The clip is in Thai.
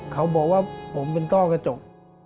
เขาบอกว่าผมเป็นต้อกระจก